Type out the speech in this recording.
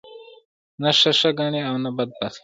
نه ښه ښه گڼي او نه بد بد